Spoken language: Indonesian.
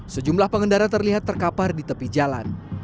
sejumlah pengendara terlihat terkapar di tepi jalan